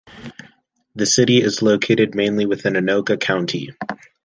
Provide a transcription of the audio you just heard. The city is located mainly within Anoka County.